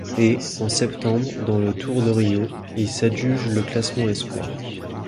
Et, en septembre, dans le Tour de Rio, il s'adjuge le classement espoir.